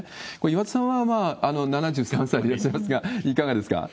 岩田さんは７３歳でいらっしゃいますが、いかがですか？